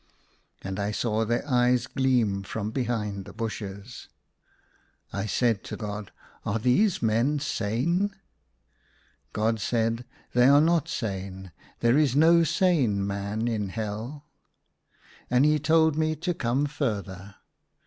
And I saw their eyes gleam from behind the bushes. I said to God, "Are these men sane?" God said, " They are not sane ; there is no sane man in Hell." And he told me to come further.